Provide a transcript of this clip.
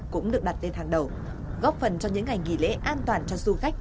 cũng được đặt lên hàng đầu góp phần cho những ngày nghỉ lễ an toàn cho du khách